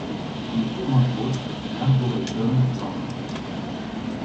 Il couvre entre autres l'arboretum Morgan.